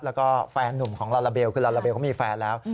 แล้วก็แฟนนุ่มของลาลาเบลคือลาลาเบลเขามีแฟนแล้ว